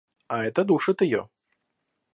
А это душит ее.